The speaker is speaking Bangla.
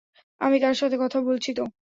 আমি তার সাথে কথা বলছি তো।